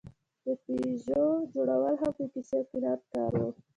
د پيژو جوړول هم د کیسې او قناعت کار و.